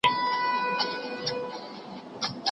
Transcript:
د بازار خلګ ساعت نه اخلي.